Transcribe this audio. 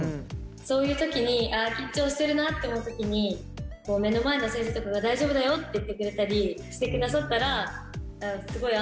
そういう時にああ緊張してるなって思う時に目の前の先生とかが大丈夫だよって言ってくれたりしてくださったらスゴイ安心するなって。